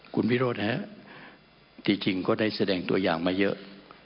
คุณวิโรธฮะจริงก็ได้แสดงตัวอย่างมาเยอะ